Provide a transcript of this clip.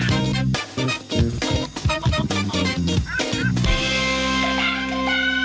โปรดติดตามตอนต่อไป